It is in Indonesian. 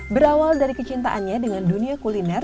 berawal dari kecintaannya dengan dunia kuliner